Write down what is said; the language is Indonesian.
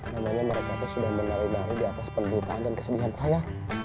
namanya mereka tuh sudah menarik narik di atas penderitaan dan kesedihan saya